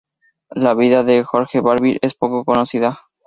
La vida de George Barbier es poco conocida.